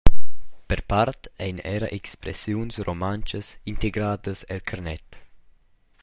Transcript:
Per part ein era expressiuns romontschas integradas el carnet.